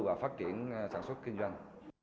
và phát triển sản xuất kinh doanh